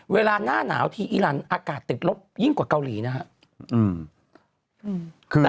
เวลาหน้าหนาวทีอีรันอากาศติดลบยิ่งกว่าเกาหลีนะครับ